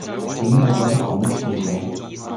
點解覺得諷刺嘅？